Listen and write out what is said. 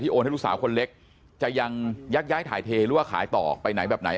โอนให้ลูกสาวคนเล็กจะยังยักย้ายถ่ายเทหรือว่าขายต่อไปไหนแบบไหน